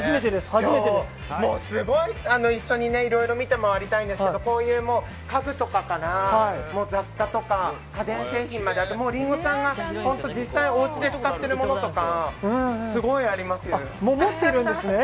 今日はすごい一緒に見て回りたいんですけどこういう家具とかから雑貨とか家電製品まで、りんごちゃんが実際におうちで使ってるものとかもう持っているんですね。